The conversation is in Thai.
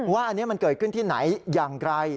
ว่าอันนี้มันเกิดขึ้นที่ไหนอย่างไร